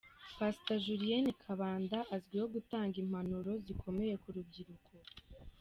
Pastor Julienne Kabanda azwiho gutanga impanuro zikomeye ku rubyiruko.